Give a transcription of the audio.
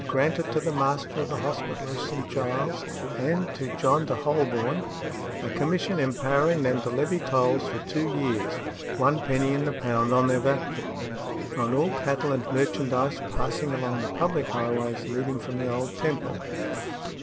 granted to the Master of the Hospital of St. Giles and to John de Holborne, a commission empowering them to levy tolls for two years (one penny in the pound on their value) on all cattle and merchandise passing along the public highways leading from the old Temple, _i.